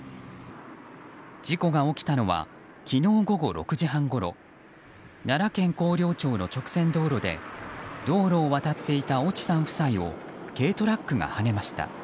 事故が起きたのは昨日午後６時半ごろ奈良県広陵町の直線道路で道路を渡っていた越智さん夫妻を軽トラックがはねました。